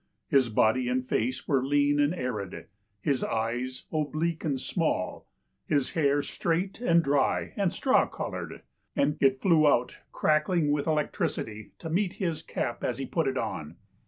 His body and face were lean and arid, his eyes oblique and small, his hair straight and dry and straw coloured ; and it flew out crackling with electricity, to meet his cap as he put it on.